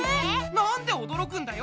なんでおどろくんだよ？